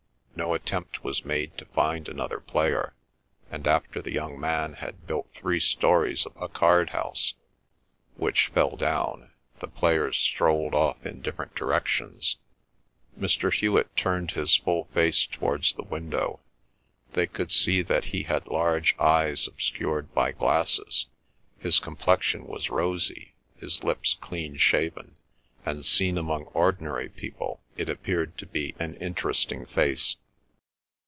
No attempt was made to find another player, and after the young man had built three stories of a card house, which fell down, the players strolled off in different directions. Mr. Hewet turned his full face towards the window. They could see that he had large eyes obscured by glasses; his complexion was rosy, his lips clean shaven; and, seen among ordinary people, it appeared to be an interesting face.